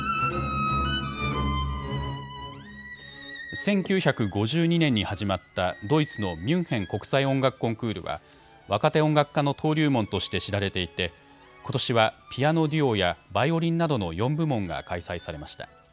１９５２年に始まったドイツのミュンヘン国際音楽コンクールは若手音楽家の登竜門として知られていてことしはピアノデュオやバイオリンなどの４部門が開催されました。